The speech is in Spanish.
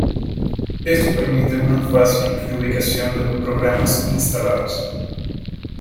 Esto permite una fácil reubicación de los programas instalados.